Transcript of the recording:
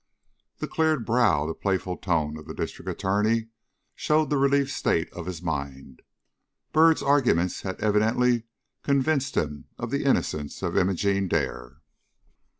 The cleared brow, the playful tone of the District Attorney showed the relieved state of his mind. Byrd's arguments had evidently convinced him of the innocence of Imogene Dare.